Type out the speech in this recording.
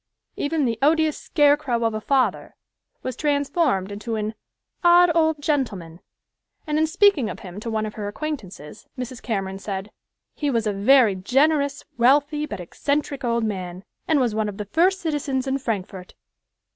Even the "odious scarecrow of a father" was transformed into an "odd old gentleman," and in speaking of him to one of her acquaintances, Mrs. Cameron said "he was a very generous, wealthy, but eccentric old man, and was one of the first citizens in Frankfort."